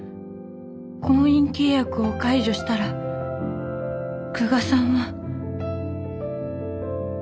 婚姻契約を解除したら久我さんは。